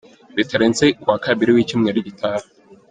Bitarenze ku wa Kabiri w’icyumweru gitaha.